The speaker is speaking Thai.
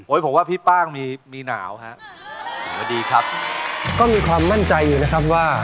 ผมว่าพี่ป้างมีมีหนาวฮะสวัสดีครับก็มีความมั่นใจอยู่นะครับว่า